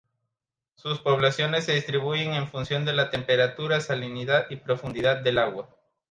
Sus poblaciones se distribuyen en función de la temperatura, salinidad y profundidad del agua.